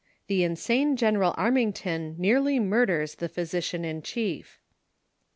THE INSANE GENERAL, ARMTNOTON NEARLY ^njRDERS THE PHYSICIAN IN CIIIEF.